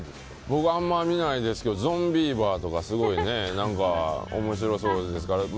僕あんま見ないですけど「ゾンビーバー」とかおもしろそうですからね。